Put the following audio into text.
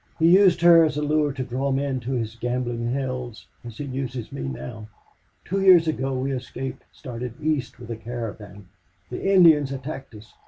He used her as a lure to draw men to his gambling hells as he uses me now... Two years ago we escaped started east with a caravan. The Indians attacked us.